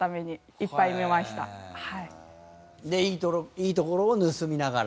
いいところを盗みながら？